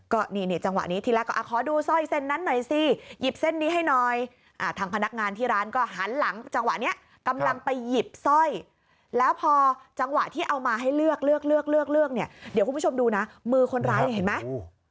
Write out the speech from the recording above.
ก็นี่เนี่ยจังหวะนี้ทีแรกก็ขอดูสร้อยเส้นนั้นหน่อยสิหยิบเส้นนี้ให้หน่อยทางพนักงานที่ร้านก็หันหลังจังหวะนี้กำลังไปหยิบสร้อยแล้วพอจังหวะที่เอามาให้เลือกเลือกเลือกเลือกเนี่ยเดี๋ยวคุณผู้ชมดูนะมือคนร้ายเนี่ยเห็นไหม